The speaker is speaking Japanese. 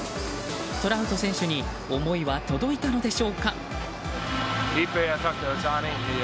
トラウト選手に思いは届いたのでしょうか。